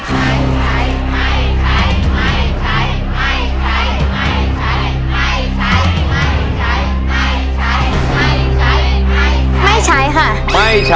ใช้ไม่ใช้ไม่ใช้ไม่ใช้ไม่ใช้ไม่ใช้ไม่ใช้ไม่ใช้ไม่ใช้ไม่ใช้ค่ะ